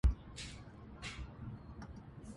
For Basic Essentials People visit Ahmad Nagar Chattha.